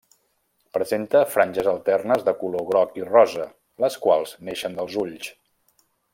Presenta franges alternes de color groc i rosa, les quals neixen dels ulls.